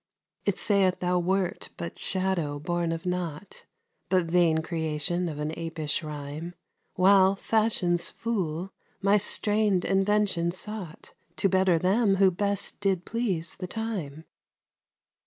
It saith thou wert but shadow born of nought, But vain creation of an apish rhyme, While, Fashion's fool, my strain'd invention sought To better them who best did please the time.